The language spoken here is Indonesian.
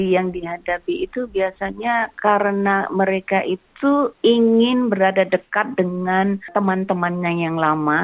yang dihadapi itu biasanya karena mereka itu ingin berada dekat dengan teman temannya yang lama